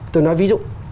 tôi nói ví dụ